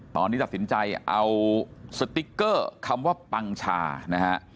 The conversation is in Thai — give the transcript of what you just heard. ตอนนี้ตัดสินใจเอาสติ๊กเกอร์คำว่าปังชานะฮะ